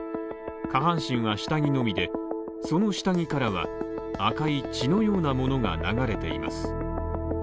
下半身は下着のみで、その下着からは赤い血のようなものが流れています。